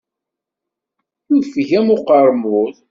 Yufeg-am uqermud.